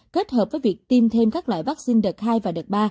kết hợp với việc tiêm thêm các loại vaccine đợt hai và đợt ba